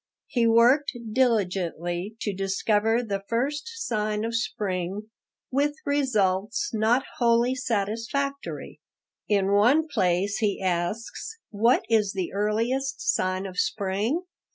He worked diligently to discover the first sign of spring, with results not wholly satisfactory. In one place he asks: "What is the earliest sign of spring?